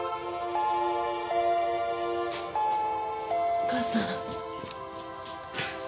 お母さん。